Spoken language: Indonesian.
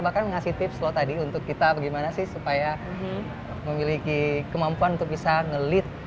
bahkan ngasih tips loh tadi untuk kita bagaimana sih supaya memiliki kemampuan untuk bisa nge lead